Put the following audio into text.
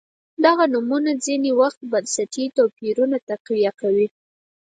دغه نورمونه ځیني وخت بنسټي توپیرونه تقویه کوي.